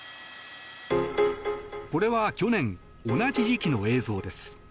これは去年同じ時期の映像です。